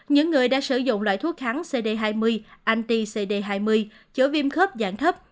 những người đã sử dụng loại thuốc kháng cd hai mươi anti cd hai mươi chữa viêm khớp dạng thấp